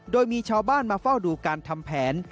โดยมีชาวบ้านมาเฝ้าดูการทำแผน